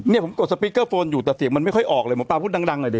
เนี่ยผมกดสปีกเกอร์โฟนอยู่แต่เสียงมันไม่ค่อยออกเลยหมอปลาพูดดังหน่อยดิ